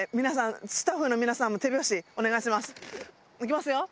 皆さんスタッフの皆さんも手拍子お願いします。